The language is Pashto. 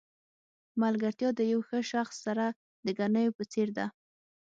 ملګرتیا د یو ښه شخص سره د ګنیو په څېر ده.